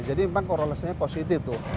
jadi memang korelasinya positif tuh